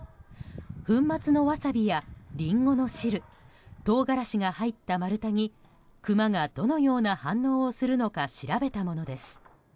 粉末のワサビやリンゴの汁トウガラシが入った丸太にクマがどのような反応をするのか調べたものです。